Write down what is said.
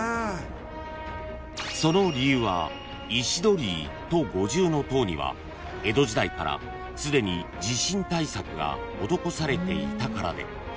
［その理由は石鳥居と五重塔には江戸時代からすでに地震対策が施されていたからで］